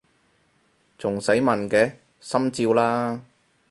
仲使問嘅！心照啦！